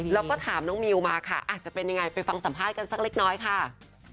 แล้วก็ถามน้องมิวมาค่ะอาจจะเป็นยังไงไปฟังสัมภาษณ์กันสักเล็กน้อยค่ะ